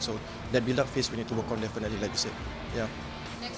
jadi ini adalah cara yang ingin kita lakukan